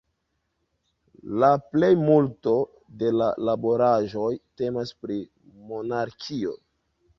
La plejmulto de la laboraĵoj temas pri monarkio.